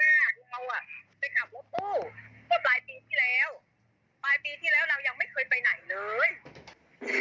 ไปขับรถปู้ก็ปลายปีที่แล้วปลายปีที่แล้วเรายังไม่เคยไปไหนเลย